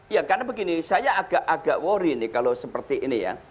ya karena begini saya agak agak worry nih kalau seperti ini ya